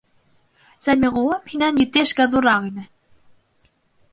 Сәмиғуллам һинән ете йәшкә ҙурыраҡ ине.